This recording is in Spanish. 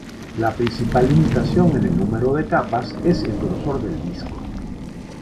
La principal limitación en el número de capas es el grosor del disco.